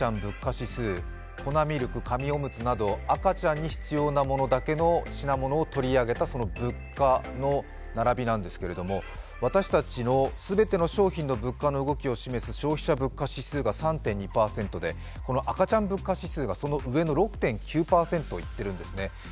粉ミルク、紙おむつなど赤ちゃんに必要なものだけ、品物を取り上げた物価の並びなんですけれども、私たちの全ての商品の物価の動きを示す消費者物価指数が３．２％でこの赤ちゃん物価指数がその上の６．９％をいっているんですね。